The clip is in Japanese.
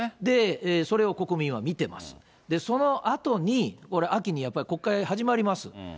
それを国民は見てます、そのあとに、これ秋にやっぱり国会が始まります。